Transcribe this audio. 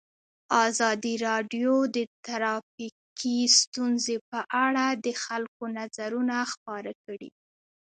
ازادي راډیو د ټرافیکي ستونزې په اړه د خلکو نظرونه خپاره کړي.